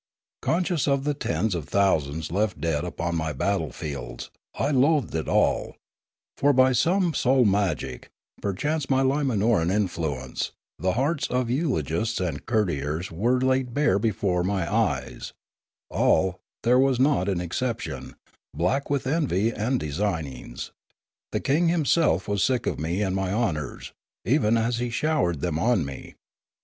Conscious of the tens of 15 1 6 Limanora thousands left dead upon my battle fields, I loathed it all ; for by some soul magic, perchance my Umanoran influence, the hearts of eulogists and courtiers were laid bare before my eyes, all (there was not an excep tion) black with envy and designings; the king himself was sick of me and my honours, even as he showered them on me.